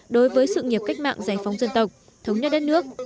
đối với sự nghiệp cách mạng giải phóng dân tộc thống nhất đất nước